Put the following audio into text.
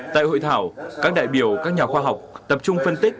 tại hội thảo các đại biểu các nhà khoa học tập trung phân tích